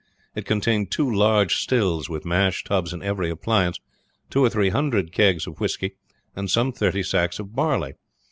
It contained two large stills, with mash tubs and every appliance, two or three hundred kegs of whisky, and some thirty sacks of barley.